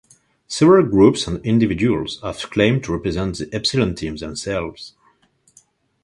Several groups and individuals have claimed to represent the Epsilon Team themselves.